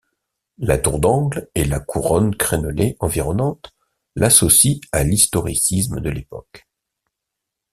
La tour d'angle et la couronne crénelée environnante l'associent à l'historicisme de l'époque.